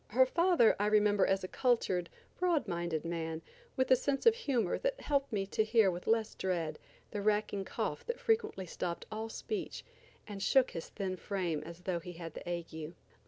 Her father I remember as a cultured, broad minded man, with a sense of humor that helped me to hear with less dread the racking cough that frequently stopped all speech and shook his thin frame as though he had the ague.